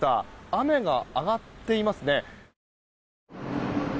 雨が上がっていますね。